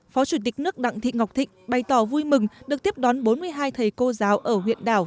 phó chủ tịch nước đặng thị ngọc thịnh bày tỏ vui mừng được tiếp đón bốn mươi hai thầy cô giáo ở huyện đảo